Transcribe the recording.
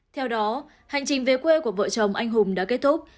theo đó hành trình về quê của vợ chồng anh hùng đã kết thúc